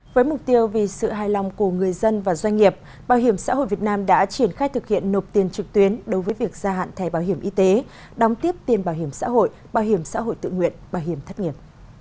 với mục tiêu vì sự hài lòng của người dân và doanh nghiệp bảo hiểm xã hội việt nam đã triển khai thực hiện nộp tiền trực tuyến đối với việc gia hạn thẻ bảo hiểm y tế đóng tiếp tiền bảo hiểm xã hội bảo hiểm xã hội tự nguyện bảo hiểm thất nghiệp